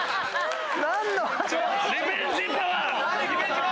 何の話⁉リベンジパワー。